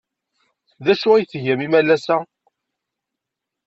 D acu ay tgam imalas-a?